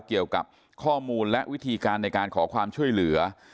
เกี่ยวกับข้อมูลและวิธีการในการขอความช่วยเหลือ